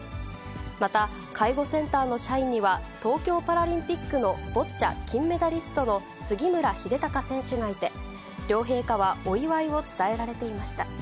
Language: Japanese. また、介護センターの社員には、東京パラリンピックのボッチャ金メダリストの杉村英孝選手がいて、両陛下はお祝いを伝えられていました。